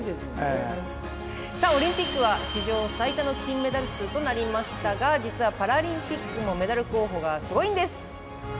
さあオリンピックは史上最多の金メダル数となりましたが実はパラリンピックもメダル候補がすごいんです！